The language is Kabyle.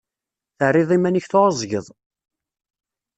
Terriḍ iman-ik tɛuẓẓgeḍ.